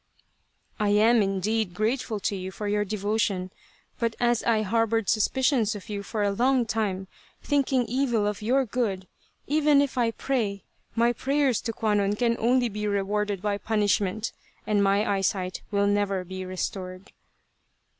" I am, indeed, grateful to you for your devotion. But as I harboured suspicions of you for a long time, thinking evil of your good, even if I pray, my prayers to Kwannon can only be rewarded by punishment, and my eyesight will never be restored."